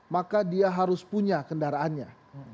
maka dia harus punya kendaraannya